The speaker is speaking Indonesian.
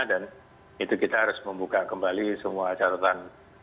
dan itu kita harus membuka kembali semua carotan